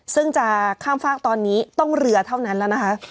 ซึ่งจะข้ามฝากตอนนี้ต้องเรือเท่านั้นแล้วนะคะ